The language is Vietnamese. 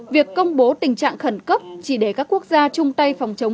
việc công bố tình trạng khẩn cấp chỉ để các quốc gia chung tay phòng chống